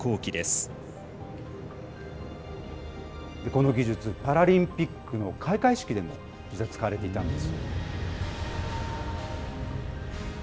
この技術、パラリンピックの開会式でも実は使われていたんです。